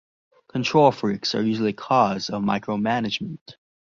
Control freaks are usually a cause of micromanagement.